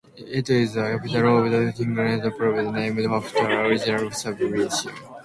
It is the capital of the Sugamuxi Province, named after the original Sugamuxi.